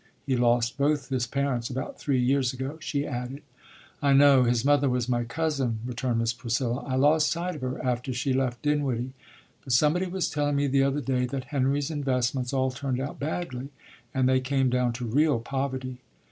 He lost both his parents about three years ago," she added. "I know. His mother was my cousin," returned Miss Priscilla. "I lost sight of her after she left Dinwiddie, but somebody was telling me the other day that Henry's investments all turned out badly and they came down to real poverty.